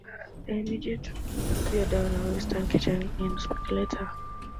The immediate view down the eastern face to the Kirkstone Inn is spectacular.